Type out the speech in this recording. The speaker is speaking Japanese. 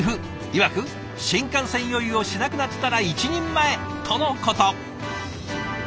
いわく新幹線酔いをしなくなったら一人前とのこと。